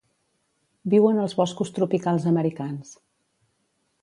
Viuen als boscos tropicals americans.